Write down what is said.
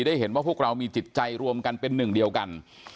ได้เห็นว่าพวกเรามีจิตใจรวมกันเป็นหนึ่งเดียวกัน